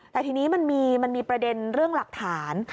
แต่ทีนี้มันมีประเด็นเรื่องหลักฐาน